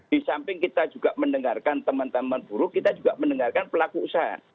di samping kita juga mendengarkan teman teman buruh kita juga mendengarkan pelaku usaha